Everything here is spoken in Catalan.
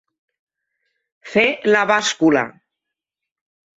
Fer la bàscula.